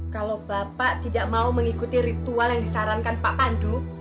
kalau bapak tidak mau mengikuti ritual yang disarankan pak pandu